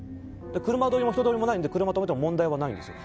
車通りも人通りもないんで車止めても問題ないんですよ。